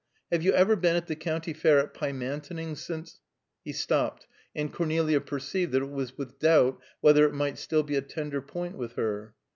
Have you ever been at the County Fair at Pymantoning since " He stopped, and Cornelia perceived that it was with doubt whether it might not still be a tender point with her.